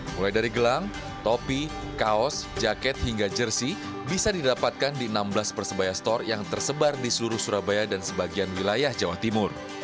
mulai dari gelang topi kaos jaket hingga jersi bisa didapatkan di enam belas persebaya store yang tersebar di seluruh surabaya dan sebagian wilayah jawa timur